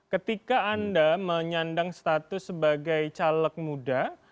ketika anda menyandang status sebagai caleg muda